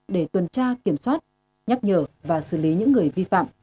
để tuần tra kiểm soát nhắc nhở và xử lý những người vi phạm